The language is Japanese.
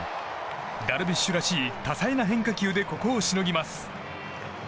ダルビッシュらしい多彩な変化球でここをしのぎます。